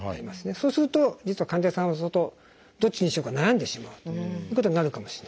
そうすると実は患者さんはどっちにしようか悩んでしまうということになるかもしれないですね。